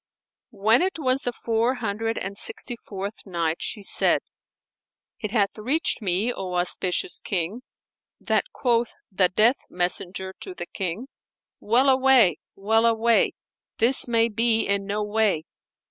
When it was the Four Hundred and Sixty fourth Night, She said, It hath reached me, O auspicious King, that quoth the Death messenger to the King, "Well away, well away! this may be in no way.